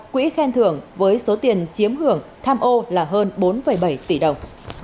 quỹ khen thưởng với số tiền chiếm hưởng tham ô là hơn bốn bảy tỷ đồng